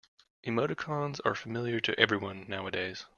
Emoticons are familiar to everyone nowadays.